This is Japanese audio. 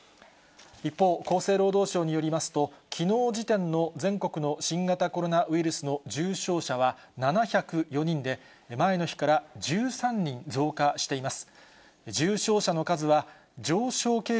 一方、厚生労働省によりますと、きのう時点の全国の新型コロナウイルスの重症者は７０４人で、前の日から１３人増加しています。